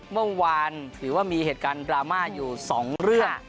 เมื่อวานถือว่ามีเหตุการณ์ดราม่าอยู่๒เรื่อง